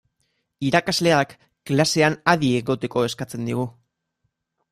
Irakasleak klasean adi egoteko eskatzen digu.